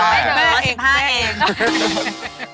ร้อยสิบห้าเอง